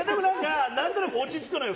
なんとなく落ち着くのよ。